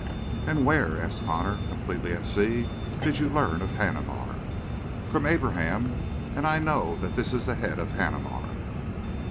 "And where," asked Connor, completely at sea, "did you learn of Haneemar?" "From Abraham. And I know that this is the head of Haneemar."